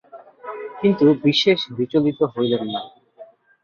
কিন্তু বিশেষ বিচলিত হইলেন না।